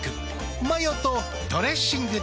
マヨとドレッシングで。